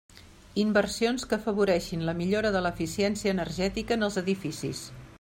Inversions que afavoreixin la millora de l'eficiència energètica en els edificis.